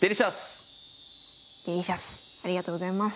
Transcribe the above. デリシャスありがとうございます。